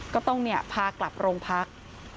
ก็ต้องเนี่ยพากลับโรงพัก